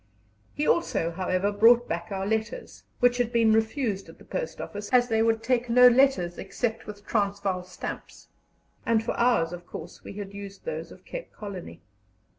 He also, however, brought back our letters, which had been refused at the post office, as they would take no letters except with Transvaal stamps, and for ours, of course, we had used those of Cape Colony.